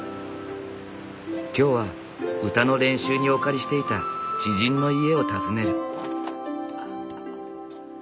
今日は歌の練習にお借りしていた知人の家を訪ねる。